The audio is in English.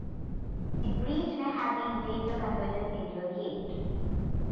The breach may have been later converted into a gate.